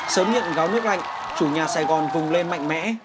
sớm nhận gạo nước lạnh chủ nhà sài gòn vùng lên mạnh mẽ